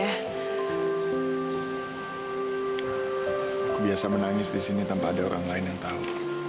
aku biasa menangis di sini tanpa ada orang lain yang tahu